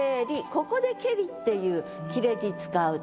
ここで「けり」っていう切れ字使うと。